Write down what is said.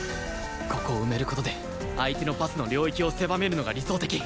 ここを埋める事で相手のパスの領域を狭めるのが理想的